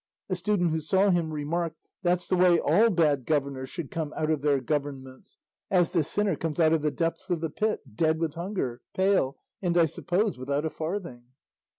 A student who saw him remarked, "That's the way all bad governors should come out of their governments, as this sinner comes out of the depths of the pit, dead with hunger, pale, and I suppose without a farthing."